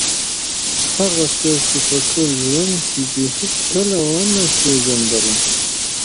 هغه څوک چې په ټول ژوند کې دې هېڅکله ونه پېژندلم.